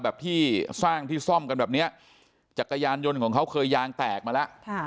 แบบที่สร้างที่ซ่อมกันแบบเนี้ยจักรยานยนต์ของเขาเคยยางแตกมาแล้ว